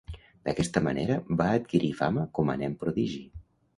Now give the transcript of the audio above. D'aquesta manera va adquirir fama com a nen prodigi.